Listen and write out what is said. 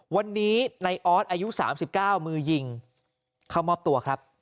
วันนี้ในออสอายุ๓๙มือยิงเข้ามอบตัวครับ